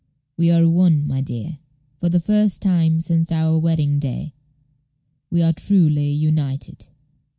We are one, my dear. For the first time since our wedding day, we are truly united."